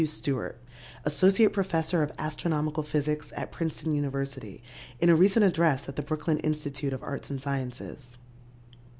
Stewart, associate professor of astronomical physics at Princeton University, in a recent address at the Brooklyn Institute of Arts and Sciences.